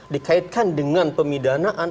dikaitkan dengan pemidanaan